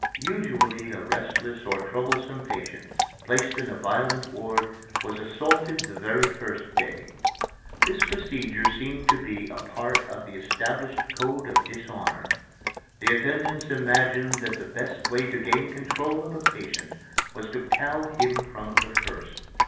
Usually a restless or troublesome patient placed in the violent ward was assaulted the very first day. This procedure seemed to be a part of the established code of dishonor. The attendants imagined that the best way to gain control of a patient was to cow him from the first.